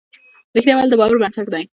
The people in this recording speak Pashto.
رښتیا ویل د باور بنسټ دی.